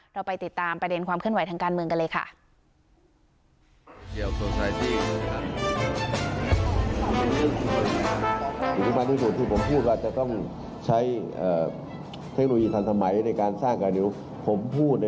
เราไปติดตามประเด็นความเคลื่อนไหวทางการเมืองกันเลยค่ะ